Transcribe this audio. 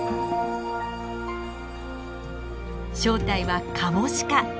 正体はカモシカ。